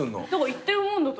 行ってるもんだと。